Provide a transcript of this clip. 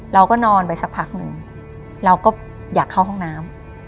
เราก็นอนไปสักพักหนึ่งเราก็อยากเข้าห้องน้ำ